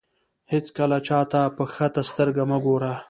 هېڅکله چاته په کښته سترګه مه ګوره.